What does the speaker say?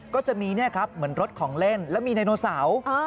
ก็จะมีเหมือนรถของเล่นแล้วมีไดโนเสาร์